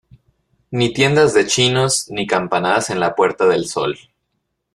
ni tiendas de chinos, ni campanadas en la Puerta del Sol